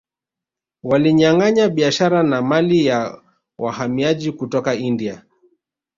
Walinyanganya biashara na mali ya wahamiaji kutoka India